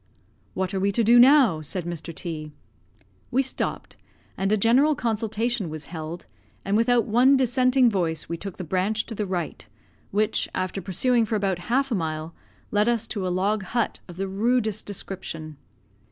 "What are we to do now?" said Mr. T . We stopped, and a general consultation was held, and without one dissenting voice we took the branch to the right, which, after pursuing for about half a mile, led us to a log hut of the rudest description.